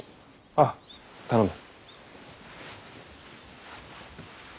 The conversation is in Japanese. あぁ頼む。